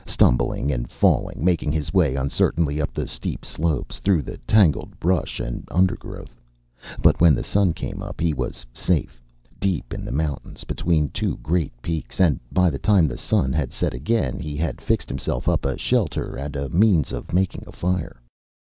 Stumbling and falling, making his way uncertainly up the steep slopes, through the tangled brush and undergrowth But when the sun came up he was safe, deep in the mountains, between two great peaks. And by the time the sun had set again he had fixed himself up a shelter and a means of making a fire.